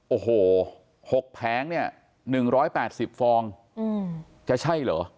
โอ้โห๖แผงเนี่ย๑๘๐ฟองจะใช่เหรอ